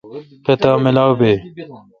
پتا ملاو بی۔